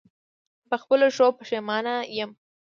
په خپلو ښو پښېمانه یم.